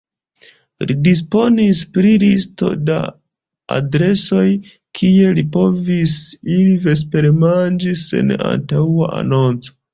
Li disponis pri listo da adresoj, kie li povis iri vespermanĝi sen antaŭa anonco.